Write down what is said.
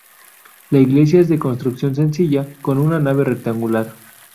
La iglesia es de construcción sencilla, con una nave rectangular.